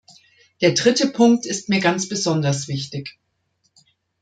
Der dritte Punkt ist mir ganz besonders wichtig.